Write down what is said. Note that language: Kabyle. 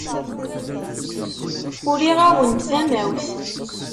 Uriɣ-awen-d tamawt.